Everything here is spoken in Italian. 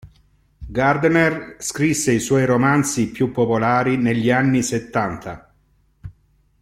Gardner scrisse i suoi romanzi più popolari negli anni settanta.